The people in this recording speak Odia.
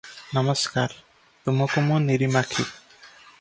ନମସ୍କାର ତୁମକୁ ମୁଁ ନିରିମାଖି ।